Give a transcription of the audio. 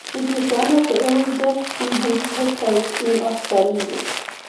It is one of the oldest inhabited sites in Australia.